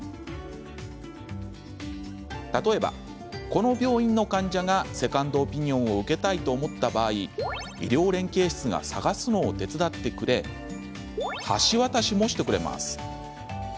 例えば、この病院の患者がセカンドオピニオンを受けたいと思った場合医療連携室が探すのを手伝ってくれ橋渡しもしてくれます。